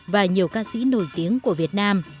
và nhiều ca sĩ nổi tiếng của việt nam